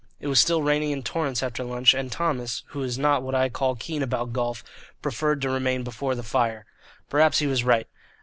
It was still raining in torrents after lunch, and Thomas, who is not what I call keen about golf, preferred to remain before the fire. Perhaps he was right.